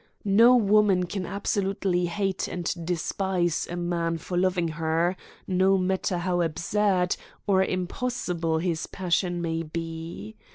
No woman can absolutely hate and despise a man for loving her, no matter how absurd or impossible his passion may be.